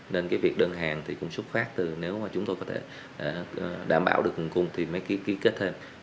nên cái việc đơn hàng thì cũng xuất phát từ nếu mà chúng tôi có thể đảm bảo được nguồn cung thì mới ký kết thêm